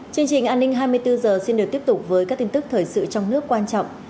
chương trình an ninh hai mươi bốn h xin được tiếp tục với các tin tức thời sự trong nước quan trọng